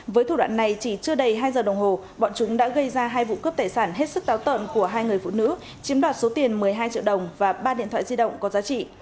với thủ đoạn này chỉ chưa đầy hai giờ đồng hồ bọn chúng đã gây ra hai vụ cướp tài sản hết sức táo tợn của hai người phụ nữ chiếm đoạt số tiền một mươi hai triệu đồng và ba điện thoại di động có giá trị